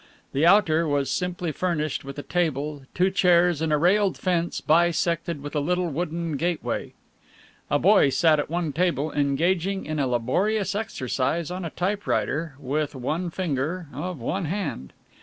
The outer was simply furnished with a table, two chairs and a railed fence bisected with a little wooden gateway. A boy sat at one table, engaged in laborious exercise on a typewriter with one finger of one hand.